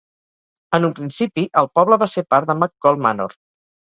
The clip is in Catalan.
En un principi, el poble va ser part de McCall Manor.